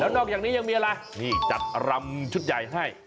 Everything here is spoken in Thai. แล้วนอกอย่างนี้ยังมีอะไรนี่จัดลำชุดใหญ่ให้